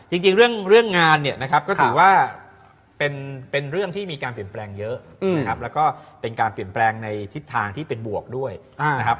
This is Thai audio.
จริงเรื่องงานเนี่ยนะครับก็ถือว่าเป็นเรื่องที่มีการเปลี่ยนแปลงเยอะนะครับแล้วก็เป็นการเปลี่ยนแปลงในทิศทางที่เป็นบวกด้วยนะครับ